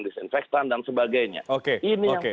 disinfektan dan sebagainya ini yang